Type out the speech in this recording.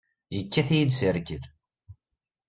Yekkat-iyi-d s rrkel!